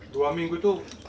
dua minggu itu